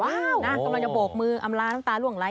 อย่างนี้ต้องเกาะคุณไปต่อไว้